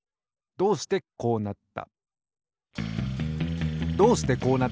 どうしてこうなった？